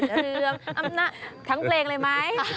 เหลืองอำนาจทั้งเพลงเลยไหม